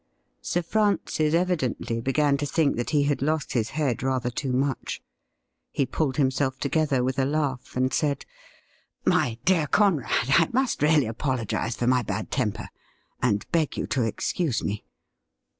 Sir Francis evidently began to think that he had lost his head rather too much. He pulled himself together with a laugh, and said :' My dear Conrad, I must really apologize for my bad temper, and beg you to excuse me.